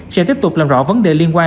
sẽ tiếp tục làm rõ vấn đề liên quan